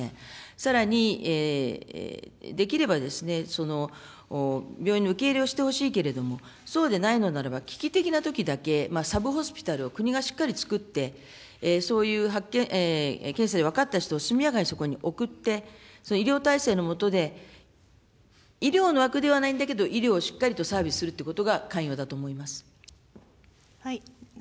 さらにできればですね、病院に受け入れをしてほしいけれども、そうでないのならば、危機的なときだけサブホスピタルを国がしっかり作って、そういう検査で分かった人を速やかにそこに送って、医療体制のもとで、医療の枠ではないんだけれども、医療をしっかりとサービスするということが肝要だと思います。